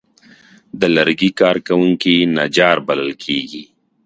د لرګي کار کوونکي نجار بلل کېږي.